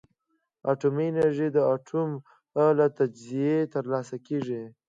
اټومي انرژي د اتوم له تجزیې ترلاسه کېږي.